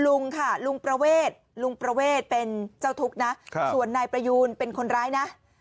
ลุงค่ะลุงประเวทลุงประเวทเป็นเจ้าทุกข์นะส่วนนายประยูนเป็นคนร้ายนะ